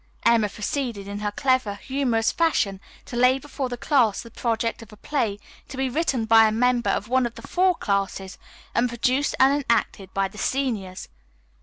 Emma proceeded in her clever, humorous fashion to lay before the class the project of a play to be written by a member of one of the four classes and produced and enacted by the seniors.